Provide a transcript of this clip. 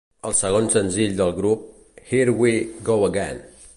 El segon senzill del grup, Here We Go Again!